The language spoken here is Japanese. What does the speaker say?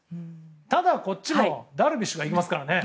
ただ、こっちもダルビッシュがいますからね。